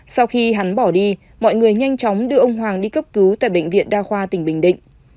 sau khi hắn bỏ đi mọi người nhanh chóng đưa ông hoàng đi cấp cứu tại bệnh viện đa khoa tỉnh bình định